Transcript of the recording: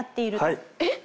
えっ！？